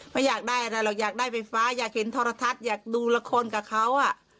ไม่อยากได้อะไรหรอกอยากได้ไฟฟ้าอยากเห็นโทรทัศน์อยากดูละครกับเขา